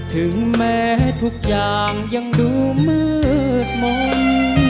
ถึงแม้ทุกอย่างยังดูมืดมนต์